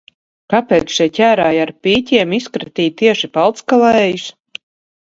"Kāpēc šie ķērāji ar pīķiem "izkratīja" tieši "Palckalējus"?"